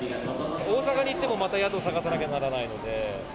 大阪に行っても、また宿探さなければならないので。